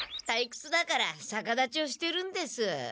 たいくつだからさか立ちをしてるんです。